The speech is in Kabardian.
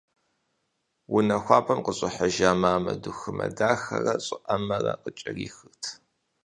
Унэ хуабэм къыщӏыхьэжа мамэ дыхумэ дахэрэ щӏыӏэмэрэ къыкӏэрихырт.